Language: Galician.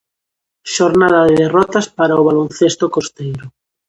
Xornada de derrotas para o baloncesto costeiro.